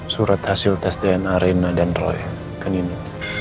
surat hasil tes dna reina dan roy ke nino